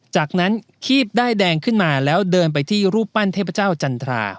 จากนั้นคีบด้ายแดงขึ้นมาแล้วเดินไปที่รูปปั้นเทพเจ้าจันทรา